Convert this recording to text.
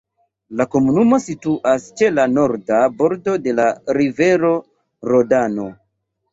La komunumo situas ĉe la norda bordo de la rivero Rodano.